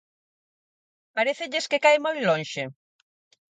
Parécelles que cae moi lonxe?